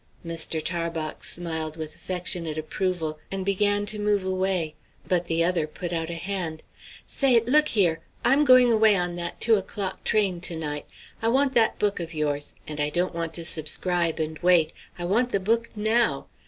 Mr. Tarbox smiled with affectionate approval, and began to move away; but the other put out a hand "Say, look here; I'm going away on that two o'clock train to night. I want that book of yours. And I don't want to subscribe and wait. I want the book now.